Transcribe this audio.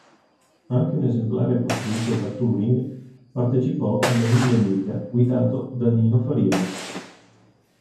Anche un esemplare costruito da Touring partecipò alla Mille Miglia, guidato da Nino Farina.